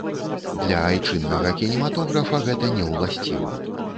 Для айчыннага кінематографа гэта не ўласціва.